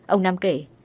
ông năm kể